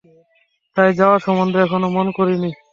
তাই যাওয়া সম্বন্ধে এখনও মন করিনি।